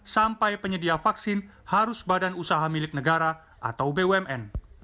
sampai penyedia vaksin harus badan usaha milik negara atau bumn